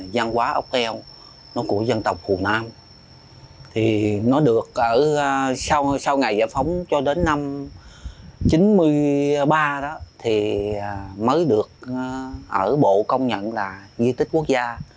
văn hóa ốc teo của dân tộc hồ nam sau ngày giải phóng cho đến năm chín mươi ba mới được bộ công nhận là di tích quốc gia